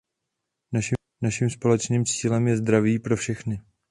Naším společným cílem je zdraví pro všechny.